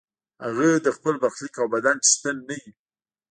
هغه د خپل برخلیک او بدن څښتن نه وي.